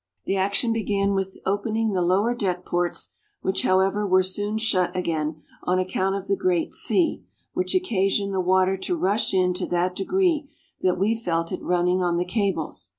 The action began with opening the lower deck ports, which, however were soon shut again, on account of the great sea, which occasioned the water to rush in to that degree that we felt it running on the cables.